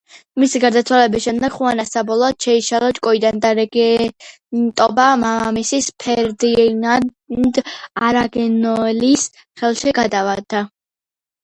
მისი გარდაცვალების შემდეგ ხუანა საბოლოოდ შეიშალა ჭკუიდან და რეგენტობა მამამისის, ფერდინანდ არაგონელის ხელში გადავიდა.